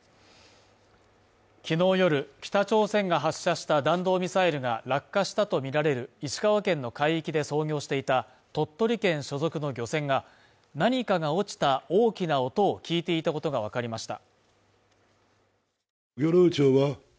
昨日夜、北朝鮮が発射した弾道ミサイルが落下したとみられる石川県の海域で操業していた鳥取県所属の漁船が何かが落ちた大きな音を聞いていたことがわかりました。